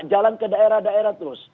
jalan ke daerah daerah terus